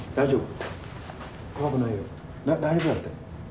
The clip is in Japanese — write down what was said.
大丈夫だって。